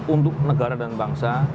untuk negara dan bangsa